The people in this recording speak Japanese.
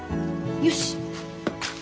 よし。